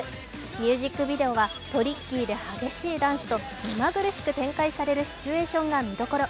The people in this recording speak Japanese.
ミュージックビデオはトリッキーで激しいダンスと目まぐるしく展開されるシチュエーションが見どころ。